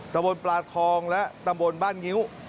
ตะบนปลาทองและตำบลบ้านงิ้ว